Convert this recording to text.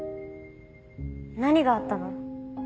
何があったの？